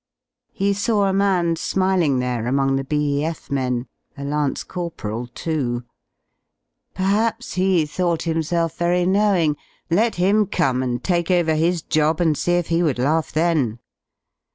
He saw a man smiling there among the B.E.F. men — a lance corporal, too. Perhaps he thought himself very knowing: let him come and take over his job and see if he would laugh then.